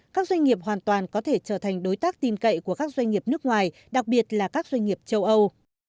các doanh nghiệp hoàn toàn có thể trở thành đối tác tin cậy của các doanh nghiệp nước ngoài đặc biệt là các doanh nghiệp châu âu